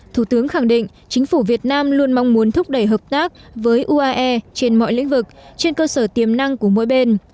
thủ tướng khẳng định chính phủ việt nam luôn mong muốn thúc đẩy hợp tác với uae trên mọi lĩnh vực trên cơ sở tiềm năng của mỗi bên